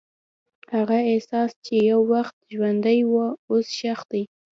هغه احساس چې یو وخت ژوندی و، اوس ښخ دی.